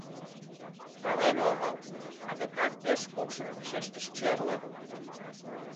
Пален омыл, — адакат пеш кукшын вашештышт черле.